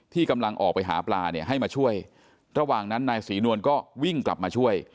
กำลังออกไปหาปลาเนี่ยให้มาช่วยระหว่างนั้นนายศรีนวลก็วิ่งกลับมาช่วย